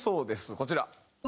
こちら。